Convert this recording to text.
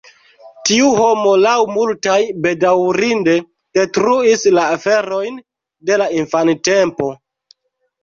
Tiu homo laŭ multaj bedaŭrinde detruis la aferojn de la infantempo.